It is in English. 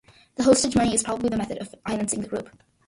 The hostage money is probably the method of financing of the group.